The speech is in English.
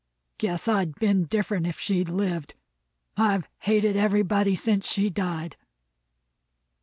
Guess I'd been different if she'd lived. I've hated everybody since she died."